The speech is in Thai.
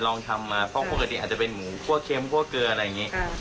ลองทำมาเพราะปกติอาจจะเป็นหมูคั่วเค็มคั่วเกลืออะไรอย่างนี้